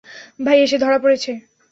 ভাইয়া, সে ধরা পড়েছে।